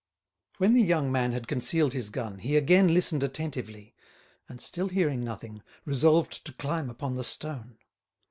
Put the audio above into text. When the young man had concealed his gun he again listened attentively, and still hearing nothing, resolved to climb upon the stone.